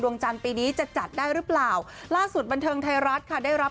จันทร์ปีนี้จะจัดได้หรือเปล่าล่าสุดบันเทิงไทยรัฐค่ะได้รับ